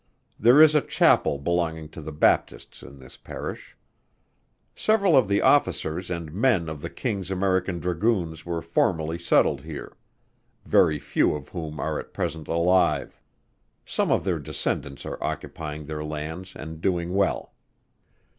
There is a Chapel belonging to the Baptists in this Parish. Several of the officers and men of the King's American Dragoons were formerly settled here, very few of whom are at present alive. Some of their descendants are occupying their lands and doing well.